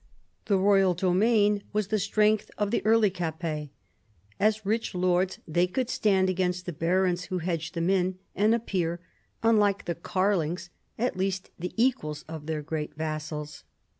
The royal domain was the strength of the early Capets. As rich lords they could stand against the barons who hedged them in, and appear, unlike the Karlings, at least the equals of their great vassals.